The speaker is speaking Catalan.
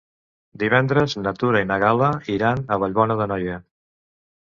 Divendres na Tura i na Gal·la iran a Vallbona d'Anoia.